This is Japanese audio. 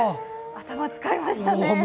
頭使いましたね。